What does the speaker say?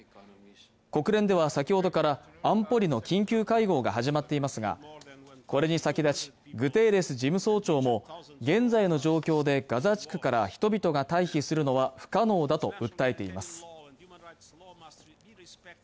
国連では先ほどから安保理の緊急会合が始まっていますが、これに先立ちグテーレス事務総長も現在の状況でガザ地区から人々が退避するのは不可能だと訴えています。